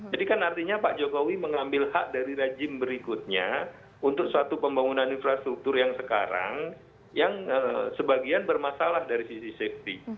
jadi kan artinya pak jokowi mengambil hak dari rejim berikutnya untuk suatu pembangunan infrastruktur yang sekarang yang sebagian bermasalah dari sisi safety